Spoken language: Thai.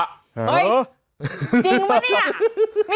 จริงปะเนี่ย